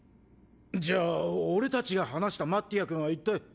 じゃあ俺たちが話したマッティア君は一体。